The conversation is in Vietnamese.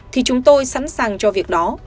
thì chúng tôi sẵn sàng cho việc đó